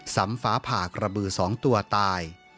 ซ้ำฝาผากระบือสองตัวตาย